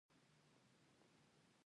د ماشوم د اسهال لپاره د څه شي اوبه ورکړم؟